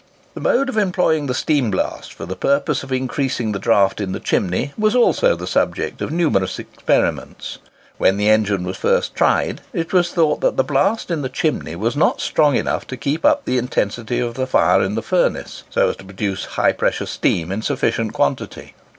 The mode of employing the steam blast for the purpose of increasing the draught in the chimney, was also the subject of numerous experiments. When the engine was first tried, it was thought that the blast in the chimney was not strong enough to keep up the intensity of the fire in the furnace, so as to produce high pressure steam in sufficient quantity.